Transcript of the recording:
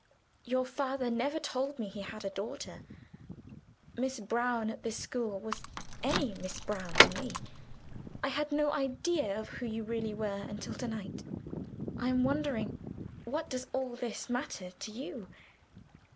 Your father never told me he had a daughter. 'Miss Brown,' at this school, was any 'Miss Brown,' to me. I had no idea of who you really were until to night. I'm wandering. What does all this matter to you?